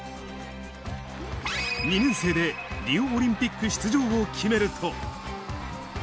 ２年生でリオオリンピック出場を決めると。